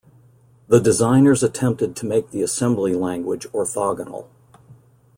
The designers attempted to make the assembly language orthogonal.